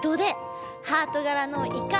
ハートがらのイカ。